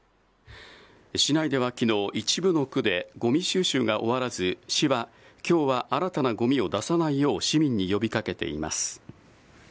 市内ではきのう、一部の区で、ごみ収集が終わらず、市は、きょうは新たなごみを出さないよう市民に呼びかけています。